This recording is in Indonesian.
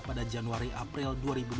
pada januari april dua ribu dua puluh